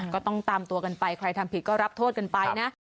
ก็ต้องตามตัวกันไปใครทำผิดก็รับโทษกันไปนะ